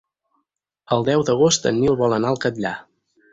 El deu d'agost en Nil vol anar al Catllar.